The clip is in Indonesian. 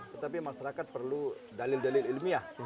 tetapi masyarakat perlu dalil dalil ilmiah